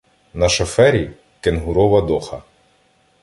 На шофері - кенгурова доха.